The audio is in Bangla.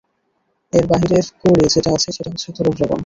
এর বাহিরের কোরে যেটা আছে সেটা হচ্ছে তরল দ্রবণ!